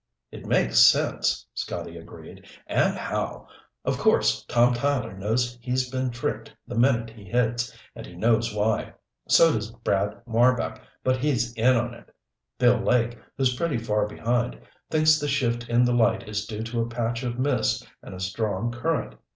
"It makes sense," Scotty agreed. "And how! Of course Tom Tyler knows he's been tricked the minute he hits, and he knows why. So does Brad Marbek, but he's in on it. Bill Lake, who's pretty far behind, thinks the shift in the light is due to a patch of mist and a strong current.